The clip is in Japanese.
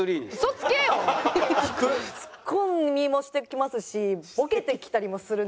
ツッコミもしてきますしボケてきたりもするんですよ